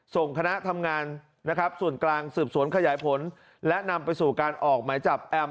คณะทำงานนะครับส่วนกลางสืบสวนขยายผลและนำไปสู่การออกหมายจับแอม